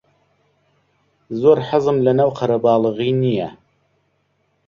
زۆر حەزم لەناو قەرەباڵغی نییە.